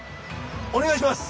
お願いします！